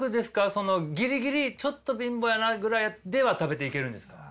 ギリギリちょっと貧乏やなぐらいでは食べていけるんですか？